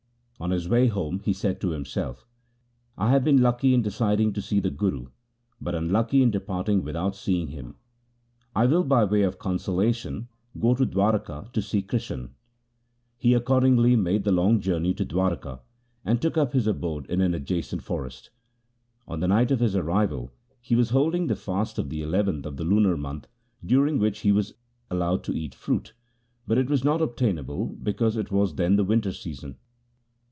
On his way home he said to himself, ' I have been lucky in deciding to see the Guru, but unlucky in departing without seeing him. I will by way of consolation go to Dwaraka to see Krishan.' He accordingly made the long journey to Dwaraka, and took up his abode in an adjacent forest. On the night of his arrival he was holding the fast of the eleventh of the lunar month, during which he was allowed to eat fruit, but it was not obtainable for it was then the winter season.